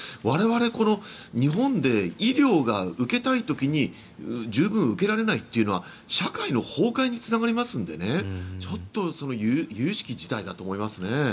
我々、日本で医療が受けたい時に十分受けられないというのは社会の崩壊につながりますのでちょっと由々しき事態だと思いますね。